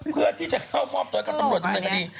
เพื่อที่จะเข้ามอบตัวให้กับปรบรวจในบริการี